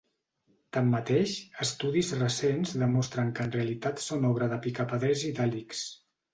Tanmateix, estudis recents demostren que en realitat són obra de picapedrers itàlics.